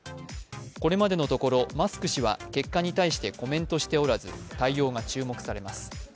これまでのところ、マスク氏は結果に対してコメントしておらず対応が注目されます。